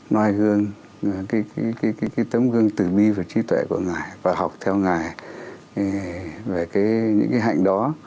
nói gương cái tấm gương tử bi và trí tuệ của ngài và học theo ngài về những cái hạnh đó